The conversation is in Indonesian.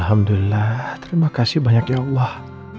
alhamdulillah terima kasih banyak ya allah